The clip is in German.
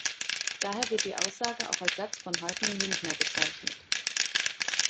Daher wird die Aussage auch als Satz von Hartman-Wintner bezeichnet.